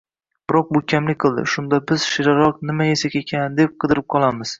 biroq bu kamlik qiladi. Shunda biz shirinroq nima yesak ekan, deb qidirib qolamiz.